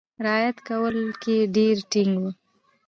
رعایت کولو کې ډېر ټینګ وو.